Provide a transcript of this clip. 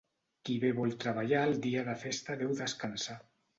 Qui bé vol treballar el dia de festa deu descansar.